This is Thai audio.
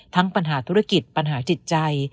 ปัญหาธุรกิจปัญหาจิตใจ